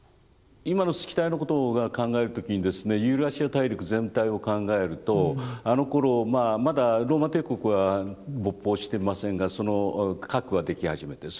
今のスキタイのことを考える時にですねユーラシア大陸全体を考えるとあのころまあまだローマ帝国は勃興してませんがその核は出来始めてる。